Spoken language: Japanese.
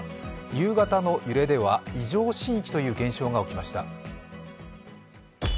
夕方の揺れでは異常震域という現象が起きました。